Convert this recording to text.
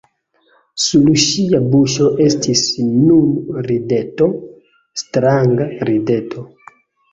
Sur ŝia buŝo estis nun rideto, stranga rideto!